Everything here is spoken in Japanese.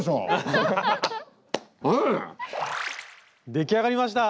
出来上がりました！